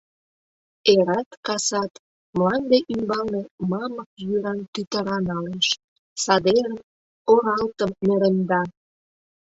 Эрат-касат мланде ӱмбалне мамык йӱран тӱтыра налеш, садерым, оралтым нӧремда.